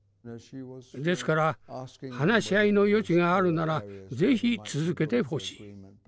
ですから話し合いの余地があるなら是非続けてほしい。